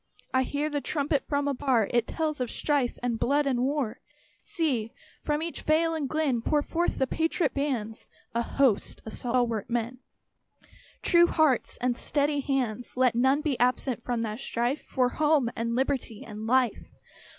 I hear the trumpet from afar; It tells of strife and blood and war. See! from each vale and glen Pour forth the patriot bands A host of stalwart men, True hearts and steady hands. Let none be absent from that strife For home, and liberty, and life.